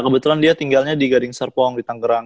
kebetulan dia tinggalnya di gading serpong di tangerang